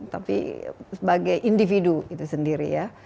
tapi sebagai individu itu sendiri ya